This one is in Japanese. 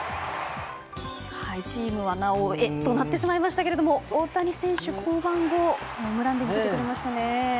チームは「なおエ」となってしまいましたが大谷選手降板後ホームランで決めてくれましたね。